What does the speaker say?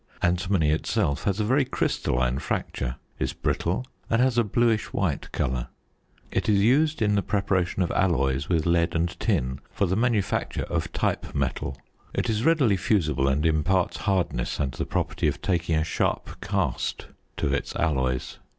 Antimony itself has a very crystalline fracture, is brittle, and has a bluish white colour. It is used in the preparation of alloys with lead and tin for the manufacture of type metal. It is readily fusible, and imparts hardness and the property of taking a sharp cast to its alloys.